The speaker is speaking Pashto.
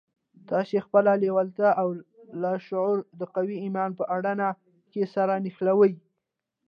تاسې خپله لېوالتیا او لاشعور د قوي ايمان په اډانه کې سره نښلوئ.